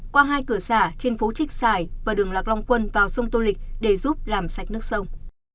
qua hai cửa xả trên phố trích xài và đường lạc long quân vào sông tô lịch để giúp làm sạch nước sông